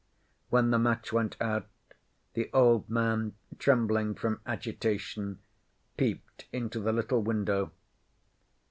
When the match went out, the old man, trembling from agitation, peeped into the little window.